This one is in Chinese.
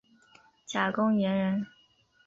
贾公彦人。